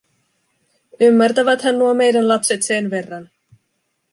Ymmärtäväthän nuo meidän lapset sen verran.